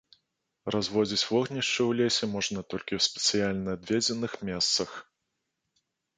Разводзіць вогнішчы ў лесе можна толькі ў спецыяльна адведзеных месцах.